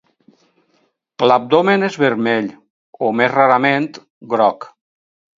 L'abdomen és vermell o, més rarament, groc.